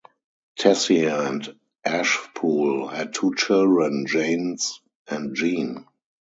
Tessier and Ashpool had two children: "Jane" and "Jean".